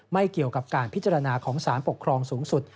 ไม่เกี่ยวกับการพิจารณาของสารปกครองสูงสุด